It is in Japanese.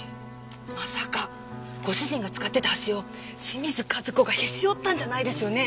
まさかご主人が使ってた箸を清水和子がへし折ったんじゃないですよね？